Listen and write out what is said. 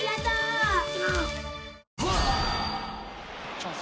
チャンス。